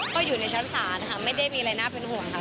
ก็อยู่ในชั้นศาลค่ะไม่ได้มีอะไรน่าเป็นห่วงค่ะ